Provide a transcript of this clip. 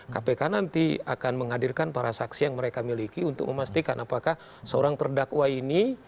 kpk nanti akan menghadirkan para saksi yang mereka miliki untuk memastikan apakah seorang terdakwa ini